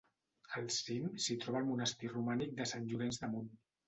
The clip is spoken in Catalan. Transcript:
Al cim s'hi troba el Monestir romànic de Sant Llorenç de Munt.